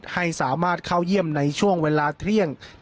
ให้สามารถเข้าเยี่ยมในช่วงเวลาเที่ยง